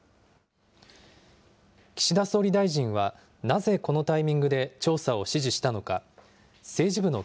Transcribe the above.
岸田総理大臣はなぜこのタイミングで調査を指示したのか。